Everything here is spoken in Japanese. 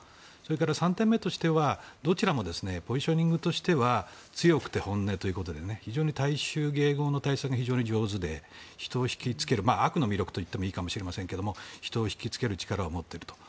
３点目としてはどちらもポジショニングとしては強くて本音という非常に大衆迎合の対策が上手で悪の魅力といってもいいかもしれませんが人を引き付ける力を持っているという。